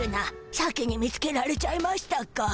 先に見つけられちゃいましたか。